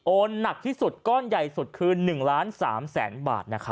โอนหนักชุดก้อนใหญ่สุดคือ๑๓๐๐๐๐๐บาท